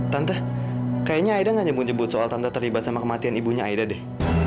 tante kayaknya aida gak nyebut nyebut soal tante terlibat sama kematian ibunya aida deh